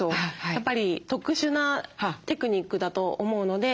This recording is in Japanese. やっぱり特殊なテクニックだと思うので。